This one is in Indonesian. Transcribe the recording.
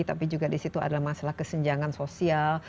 tapi juga di situ ada masalah kesenjangan sosial